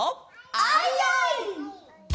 アイアイ！